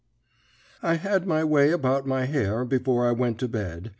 "I had my way about my hair before I went to bed.